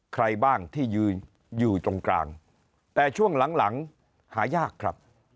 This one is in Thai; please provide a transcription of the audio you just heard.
ใครบ้างที่ยืนอยู่ตรงกลางแต่ช่วงหลังหายากครับ